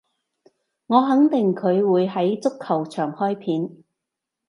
我肯定佢會喺足球場開片